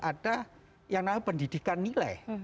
ada yang namanya pendidikan nilai